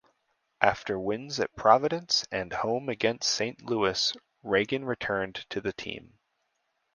After wins at Providence and home against Saint Louis Regan returned to the team.